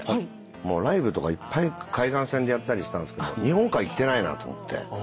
ライブとかいっぱい海岸線でやったりしたんすけど日本海行ってないなと思って。